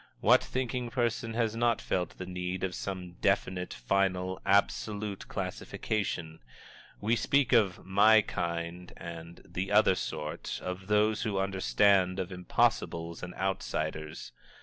What thinking person has not felt the need of some definite, final, absolute classification? We speak of "my kind" and "the other sort," of Those who Understand, of Impossibles, and Outsiders.